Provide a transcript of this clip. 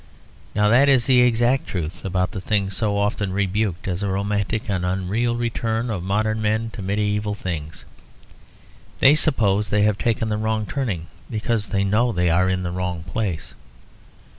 Now that is the exact truth about the thing so often rebuked as a romantic and unreal return of modern men to medieval things. They suppose they have taken the wrong turning, because they know they are in the wrong place.